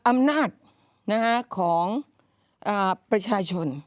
อำนาจของประชาชน